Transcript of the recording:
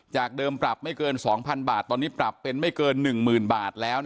จากเดิมปรับไม่เกิน๒๐๐๐บาทตอนนี้ปรับเป็นไม่เกิน๑๐๐๐บาทแล้ว